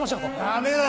ダメだ！